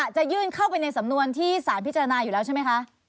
จะยื่นเข้าไปในสำนวนที่สารพิจารณาอยู่แล้วใช่ไหมคะ